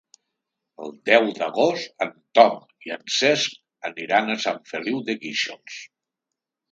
El deu d'agost en Tom i en Cesc aniran a Sant Feliu de Guíxols.